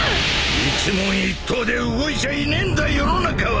一問一答で動いちゃいねえんだ世の中は！